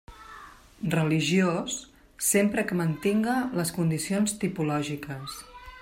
Religiós, sempre que mantinga les condicions tipològiques.